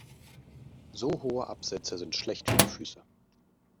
So hohe Absätze sind schlecht für die Füße.